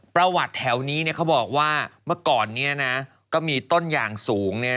ประวัติแถวนี้เขาบอกว่าเมื่อก่อนนี้นะก็มีต้นอย่างสูง